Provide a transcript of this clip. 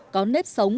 có nết sống